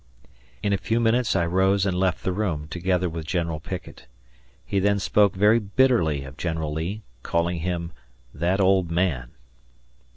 In a few minutes I rose and left the room, together with General Pickett. He then spoke very bitterly of General Lee, calling him "that old man."